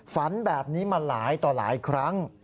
ฝันแบบนี้มาหลายต่อหลายครั้ง